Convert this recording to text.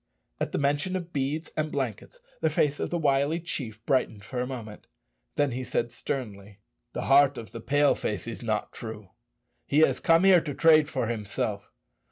] At the mention of beads and blankets the face of the wily chief brightened for a moment. Then he said sternly, "The heart of the Pale face is not true. He has come here to trade for himself.